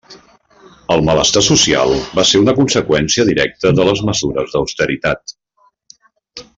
El malestar social va ser una conseqüència directa de les mesures d'austeritat.